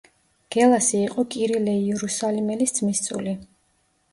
გელასი იყო კირილე იერუსალიმელის ძმისწული.